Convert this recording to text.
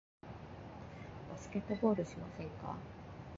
バスケットボールしませんか？